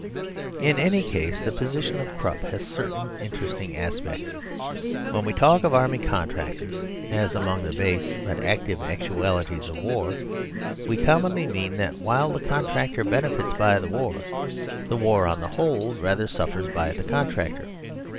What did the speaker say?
In any case, the position of Krupp has certain interesting aspects. When we talk of Army contractors as among the base but active actualities of war, we commonly mean that while the contractor benefits by the war, the war, on the whole, rather suffers by the contractor.